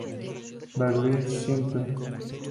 Berlin: Springer.